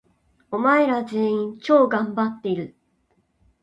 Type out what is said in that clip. お前ら、全員、超がんばっている！！！